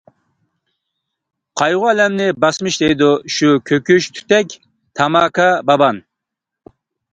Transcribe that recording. قايغۇ-ئەلەمنى باسىمىش دەيدۇ، شۇ كۆكۈچ تۈتەك، تاماكا بايان.